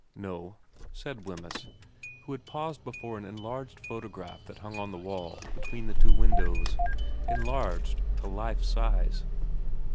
' No,' said Wemyss, who had paused before an enlarged photograph that hung on the wall between the two windows, enlarged to life size.